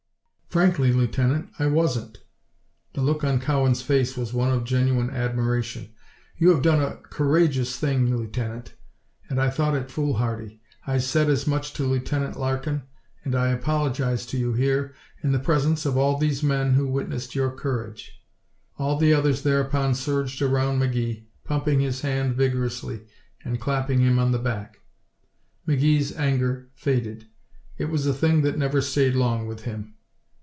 "Frankly, Lieutenant, I wasn't." The look on Cowan's face was one of genuine admiration. "You have done a courageous thing, Lieutenant and I thought it foolhardy. I said as much to Lieutenant Larkin, and I apologize to you, here, in the presence of all these men who witnessed your courage." All the others thereupon surged around McGee, pumping his hand vigorously and clapping him on the back. McGee's anger faded. It was a thing that never stayed long with him.